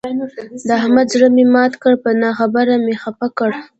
د احمد زړه مې مات کړ، په نه خبره مې خپه کړ.